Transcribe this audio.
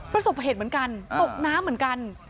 ประสบเหตุเหมือนกันตกน้ำเหมือนกัน